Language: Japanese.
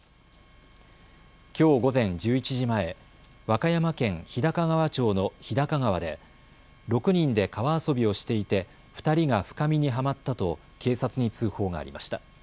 きょう午前１１時前、和歌山県日高川町の日高川で６人で川遊びをしていて２人が深みにはまったと警察に通報がありました。